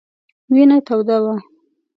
وینه توده وه.